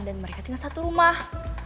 dan mereka tinggal satu rumah